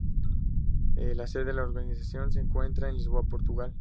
La sede de la organización se encuentra en Lisboa, Portugal.